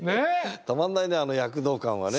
たまんないねあの躍動感はね。